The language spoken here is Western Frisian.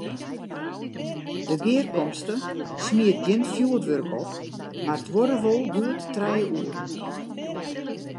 De gearkomste smiet gjin fjoerwurk op, mar duorre wol goed trije oeren.